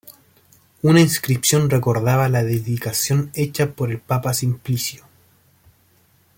Una inscripción recordaba la dedicación hecha por el papa Simplicio.